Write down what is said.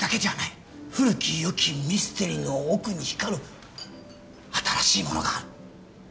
古き良きミステリーの奥に光る新しいものがある。